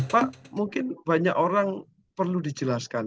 pak mungkin banyak orang perlu dijelaskan